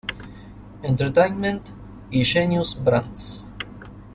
Entertainment y Genius Brands.